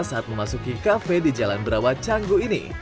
saat memasuki cafe di jalan berawat canggu ini